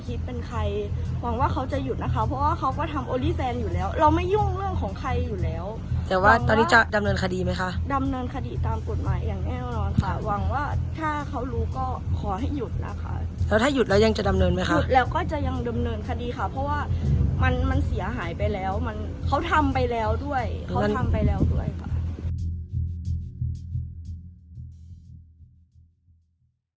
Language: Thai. ดำเนินคดีตามกฎหมายอย่างแน่นอนค่ะหวังว่าถ้าเขารู้ก็ขอให้หยุดแล้วค่ะแล้วถ้าหยุดแล้วยังจะดำเนินไหมค่ะหยุดแล้วก็จะยังดำเนินคดีค่ะเพราะว่ามันมันเสียหายไปแล้วมันเขาทำไปแล้วด้วยเขาทำไปแล้วด้วยค่ะ